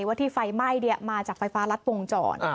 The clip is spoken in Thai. ว่าที่ไฟไหม้มาจากไฟฟ้ารัดวงจร